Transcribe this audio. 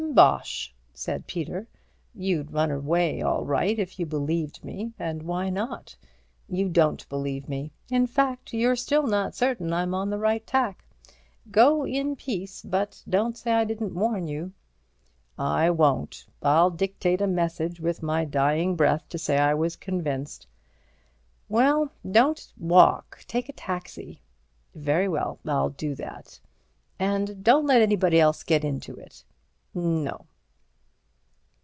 "Bosh!" said Peter, "you'd run away all right if you believed me, and why not? You don't believe me. In fact, you're still not certain I'm on the right tack. Go in peace, but don't say I didn't warn you." "I won't; I'll dictate a message with my dying breath to say I was convinced." "Well, don't walk—take a taxi." "Very well, I'll do that." "And don't let anybody else get into it." "No."